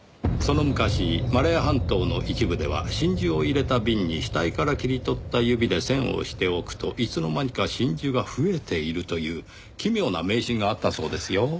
その昔マレー半島の一部では真珠を入れた瓶に死体から切り取った指で栓をしておくといつの間にか真珠が増えているという奇妙な迷信があったそうですよ。